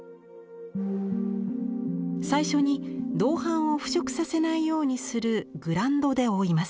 最初に銅版を腐食させないようにするグランドで覆います。